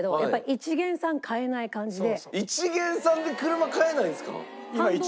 一見さんで車買えないんですか？